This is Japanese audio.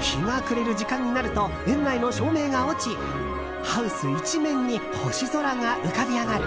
日が暮れる時間になると園内の照明が落ちハウス一面に星空が浮かび上がる